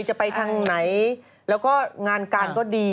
จะไปทางไหนแล้วก็งานการก็ดี